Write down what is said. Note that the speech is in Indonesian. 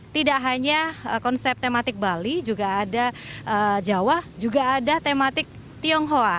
tidak hanya konsep tematik bali juga ada jawa juga ada tematik tionghoa